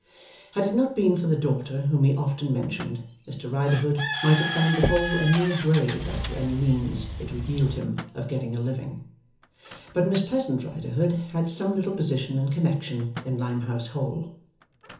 Had it not been for the daughter whom he often mentioned, Mr Riderhood might have found the Hole a mere grave as to any means it would yield him of getting a living. But Miss Pleasant Riderhood had some little position and connection in Limehouse Hole.